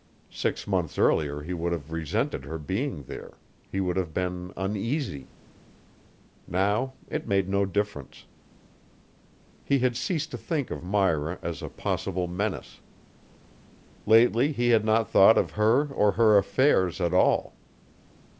Six months earlier he would have resented her being there, he would have been uneasy. Now it made no difference. He had ceased to think of Myra as a possible menace. Lately he had not thought of her or her affairs at all.